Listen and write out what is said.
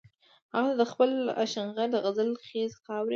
هغه ته د خپل اشنغر د غزل خيزې خاورې